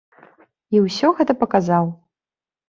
І ўсё гэта паказаў.